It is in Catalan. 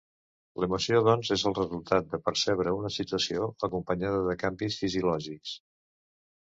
L'emoció, doncs, és el resultat de percebre una situació acompanyada de canvis fisiològics.